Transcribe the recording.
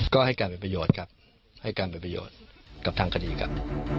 ก็ให้การเป็นประโยชน์ครับให้การเป็นประโยชน์กับทางคดีครับ